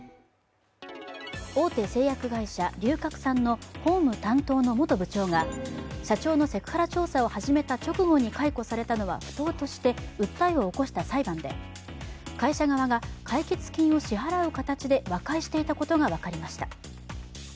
大手製薬会社・龍角散の法務担当の元部長が社長のセクハラ調査を始めた直後に解雇されたのは不当として訴えを起こした裁判で、会社側が解決金を支払う形で和解していたことが分かりました。